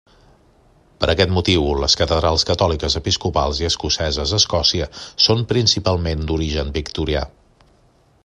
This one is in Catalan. Per aquest motiu, les catedrals catòliques episcopals i escoceses d'Escòcia són principalment d'origen victorià.